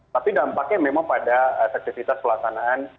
tapi dampaknya memang pada efektivitas pelaksanaan